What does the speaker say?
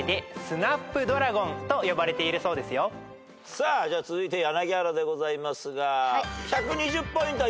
さあ続いて柳原でございますが。